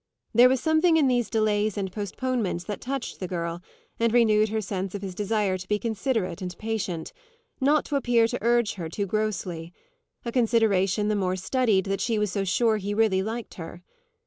There was something in these delays and postponements that touched the girl and renewed her sense of his desire to be considerate and patient, not to appear to urge her too grossly; a consideration the more studied that she was so sure he "really liked" her.